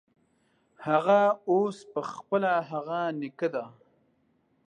هغه اوس پخپله هغه نیکه دی.